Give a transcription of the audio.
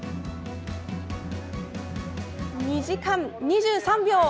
２時間２３秒。